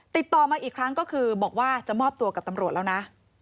ติดต่อมาอีกครั้งก็คือบอกว่าจะมอบตัวกับตำรวจแล้วนะ